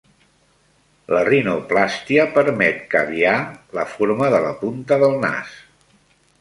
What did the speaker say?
La rinoplàstia permet caviar la forma de la punta del nas.